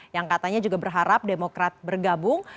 yang katanya juga berharap demokrat bergabung